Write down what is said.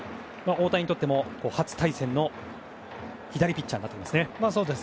大谷にとっても初対戦の左ピッチャーになっていますね。